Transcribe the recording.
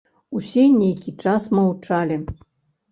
Усе нейкі час маўчалі.